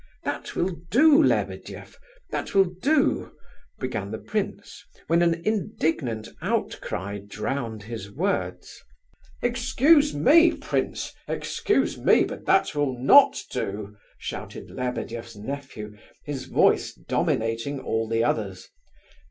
"That will do, Lebedeff, that will do—" began the prince, when an indignant outcry drowned his words. "Excuse me, prince, excuse me, but now that will not do," shouted Lebedeff's nephew, his voice dominating all the others.